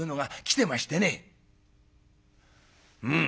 「うん」。